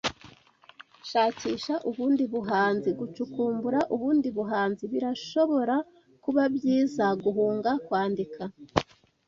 Shakisha ubundi buhanzi. Gucukumbura ubundi buhanzi birashobora kuba byiza guhunga kwandika